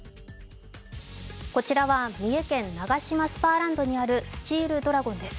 こちらは三重県、ナガシマスパーランドにあるスチールドラゴンです。